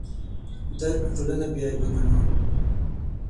درک ټوله بې عیبه ګڼو.